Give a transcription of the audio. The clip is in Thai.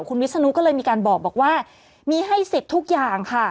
คุณวิศนุก็เลยมีการบอกว่ามีให้สิทธิ์ทุกอย่างค่ะ